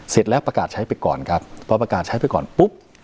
เสร็จแล้วประกาศใช้ไปก่อนครับพอประกาศใช้ไปก่อนปุ๊บ